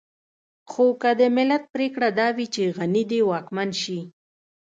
خو که د ملت پرېکړه دا وي چې غني دې واکمن شي.